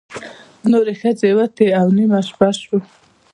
نورې ښځې ووتې او نیمه شپه شوه.